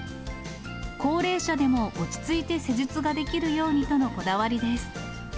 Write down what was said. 高齢者でも落ち着いて施術ができるようにとのこだわりです。